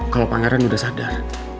kalo pangeran udah sadar